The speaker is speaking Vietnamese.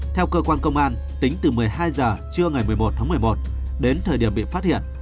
theo cơ quan công an tính từ một mươi hai h trưa ngày một mươi một tháng một mươi một đến thời điểm bị phát hiện